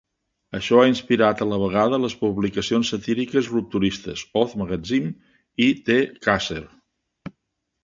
Això ha inspirat, a la vegada, les publicacions satíriques rupturistes "Oz Magazine" i "The Chaser".